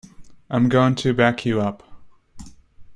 I’m going to back you up.